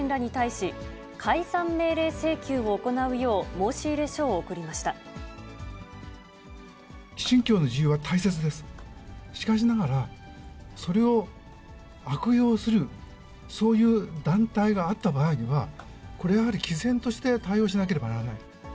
しかしながら、それを悪用する、そういう団体があった場合には、これはやはりきぜんとして対応しなければならない。